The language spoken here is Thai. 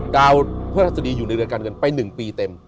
ดาวพระราชดีอยู่ในเรือนการเงินไป๑ปีเต็ม